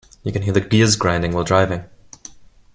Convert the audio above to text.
You can hear the gears grinding while driving.